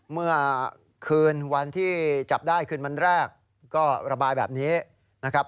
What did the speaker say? เมื่อคืนวันที่จับได้คืนวันแรกก็ระบายแบบนี้นะครับ